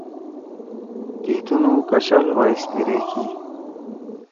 تی تُنُو کشال وا سپرے کی۔